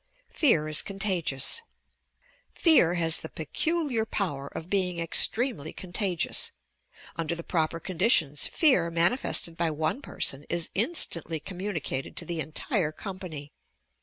PEAR IS CONTAQIOITS Fear has the peculiar power of being extremely con tagious. Under the proper conditions, fear manifested by one person is instantly communicated to the entire company.